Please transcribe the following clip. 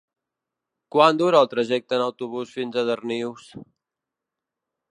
Quant dura el trajecte en autobús fins a Darnius?